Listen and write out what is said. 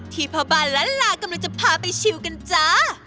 ที่พาบานละลากำลังจะพาไปชิวกันจ๊ะ